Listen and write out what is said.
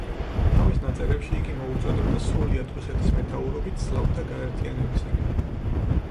თავის ნაწერებში იგი მოუწოდებდა სრულიად რუსეთის მეთაურობით სლავთა გაერთიანებისაკენ.